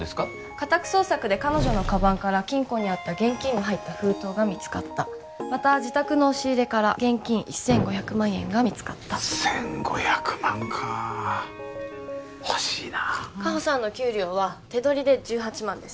家宅捜索で彼女のカバンから金庫にあった現金の入った封筒が見つかったまた自宅の押し入れから現金１５００万円が見つかった１５００万か欲しいなあ果歩さんの給料は手取りで１８万です